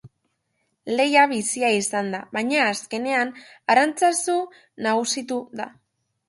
Lehia bizia izan da, baina azkenean, aranztazu nagusitu da.